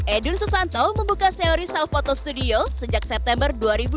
edwin susanto membuka seori self photo studio sejak september dua ribu dua puluh